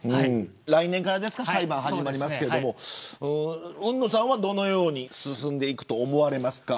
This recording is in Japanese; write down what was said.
来年から裁判が始まりますが海野さんはどのように進んでいくと思われますか。